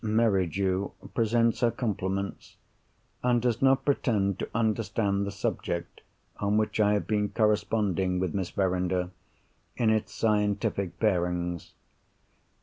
Merridew presents her compliments, and does not pretend to understand the subject on which I have been corresponding with Miss Verinder, in its scientific bearings.